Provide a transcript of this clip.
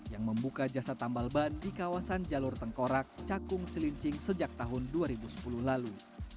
yang membuka jasa tambal ban di kawasan jalur tengkorak cakung celincing sejak tahun dua ribu sepuluh lalu